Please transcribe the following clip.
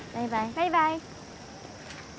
バイバイ。